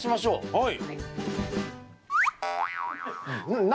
はい。